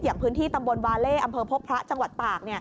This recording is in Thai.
อย่างพื้นที่ตำบลวาเล่อำเภอพบพระจังหวัดตาก